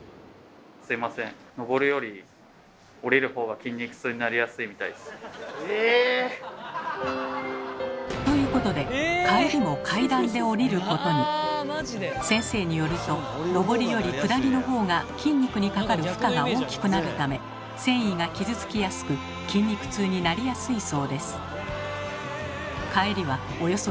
すいませんみたいです。ということで帰りも先生によると上りより下りのほうが筋肉にかかる負荷が大きくなるため線維が傷つきやすく筋肉痛になりやすいそうです。